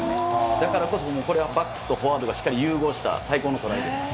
だからこそ、もうこれはバックスとフォワードがしっかり融合した、最高のトライです。